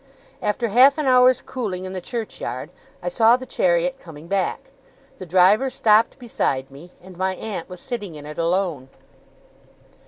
After half an hour's cooling in the churchyard, I saw the chariot coming back. The driver stopped beside me, and my aunt was sitting in it alone.